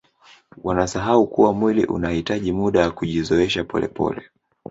wanasahau kuwa mwili unahitaji muda wa kujizoesha polepole